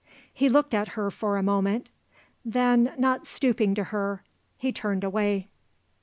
He looked at her for a moment. Then, not stooping to her, he turned away.